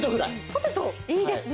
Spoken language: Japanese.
ポテトいいですね。